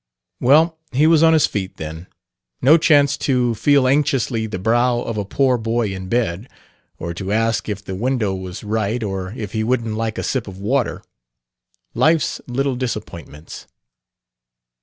Well, he was on his feet, then. No chance to feel anxiously the brow of a poor boy in bed, or to ask if the window was right or if he wouldn't like a sip of water. Life's little disappointments...!